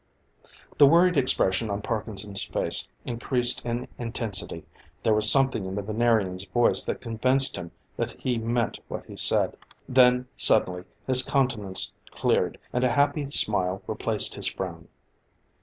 The worried expression on Parkinson's face increased in intensity. There was something in the Venerian's voice that convinced him that he meant what he said. Then suddenly his countenance cleared, and a happy smile replaced his frown.